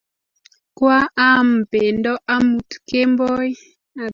Kwa am pendo amut kemboi